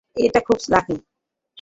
এটা খুব লাকি।